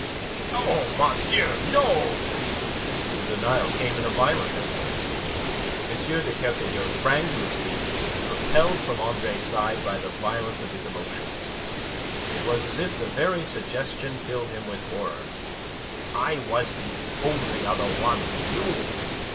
"Oh, mon Dieu, no!" The denial came in a violent outburst. M. de Kercadiou sprang to his feet propelled from Andre's side by the violence of his emotions. It was as if the very suggestion filled him with horror. "I was the only other one who knew.